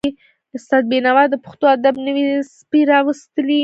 استاد بینوا د پښتو ادب نوې څپې راوستلې.